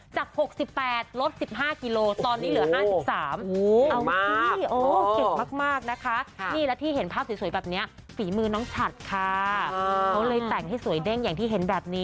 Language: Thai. จาก๖๘ลด๑๕กิโลตอนนี้เหลือ๕๓